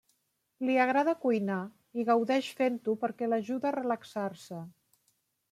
Li agrada cuinar, i gaudeix fent-ho perquè l'ajuda a relaxar-se.